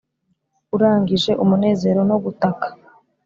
urangije umunezero no gutaka;